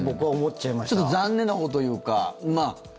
ちょっと残念なほうというか。